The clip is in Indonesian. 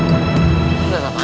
aku pengen dateng sama sama